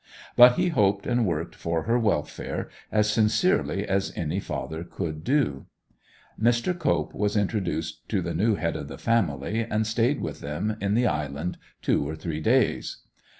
But he hoped and worked for her welfare as sincerely as any father could do. Mr. Cope was introduced to the new head of the family, and stayed with them in the Island two or three days.